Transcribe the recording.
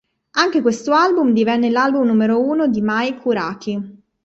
Anche questo album divenne l'album numero uno di Mai Kuraki.